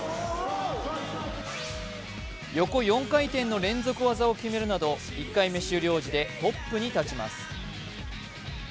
横４回転の連続技を決めるなど１回目終了時でトップに立ちます。